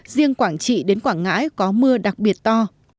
riêng quảng trị đến quảng ngãi có mưa đặc biệt to